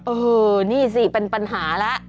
เออนี่สิเป็นปัญหาแล้ว